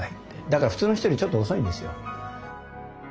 だから普通の人よりちょっと遅いんですよ。